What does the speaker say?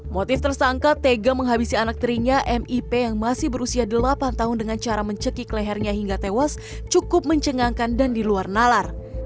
motif tersangka tega menghabisi anak tirinya mip yang masih berusia delapan tahun dengan cara mencekik lehernya hingga tewas cukup mencengangkan dan diluar nalar